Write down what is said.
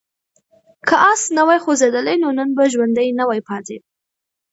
که آس نه وای خوځېدلی نو نن به ژوندی نه وای پاتې.